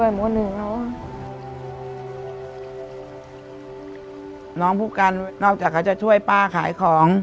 หนูพุงกันนอกจากเขาจะช่วยป้าขายของ